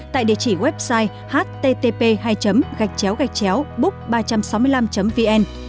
tại địa chỉ website http book ba trăm sáu mươi năm vn